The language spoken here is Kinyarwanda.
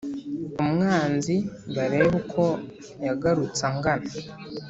umwanzi barebe uko yagarutse angana.